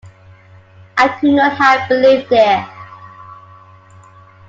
I could not have believed it.